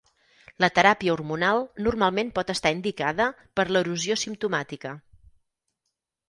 La teràpia hormonal normalment pot estar indicada per l'erosió simptomàtica.